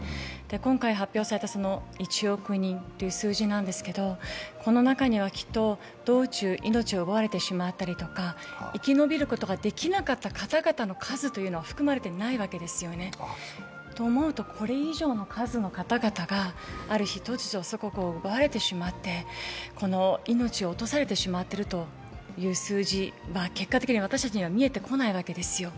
今回発表された１億人という数字なんですけれども、この中にはきっと、道中、命を奪われてしまったりとか、生き延びることができなかった方々の数というのは含まれていないわけですよね。と思うと、これ以上の数の方々が、ある日、突如、祖国を奪われてしまって命を落とされてしまっているという数字、結果的には私たちには見えてこないわけですよ。